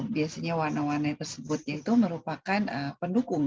biasanya warna warna tersebut itu merupakan pendukung